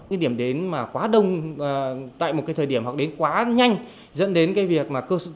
cái điểm đến mà quá đông tại một cái thời điểm hoặc đến quá nhanh dẫn đến cái việc mà